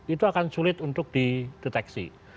itu akan sulit untuk dideteksi